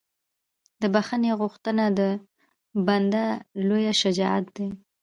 د بښنې غوښتنه د بنده لویه شجاعت ده.